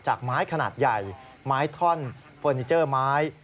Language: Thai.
จากไม้ขนาดใหญ่ไม้ท่อนเฟอร์นิเจอร์ไม้